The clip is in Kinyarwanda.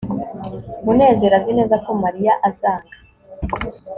munezero azi neza ko mariya azanga